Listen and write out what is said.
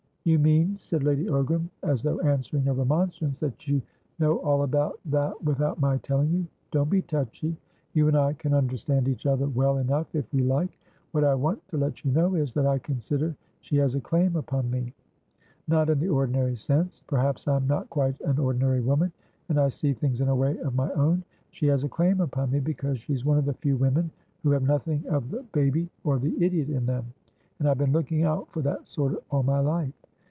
"You mean," said Lady Ogram, as though answering a remonstrance, "that you know all about that without my telling you. Don't be touchy; you and I can understand each other well enough, if we like. What I want to let you know is, that I consider she has a claim upon me. Not in the ordinary sense. Perhaps I'm not quite an ordinary woman, and I see things in a way of my own. She has a claim upon me, because she's one of the few women who have nothing of the baby or the idiot in them, and I've been looking out for that sort all my life.